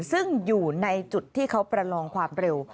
ซึ่งอยู่ในจุดที่เขาประลองความเร็ว